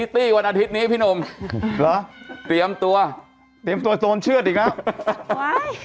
เตรียมตัวโซนเชือดอีกแล้ว